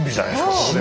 ここでも。